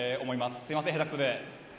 すいません、下手くそで。